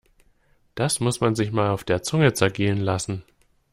Das muss man sich mal auf der Zunge zergehen lassen!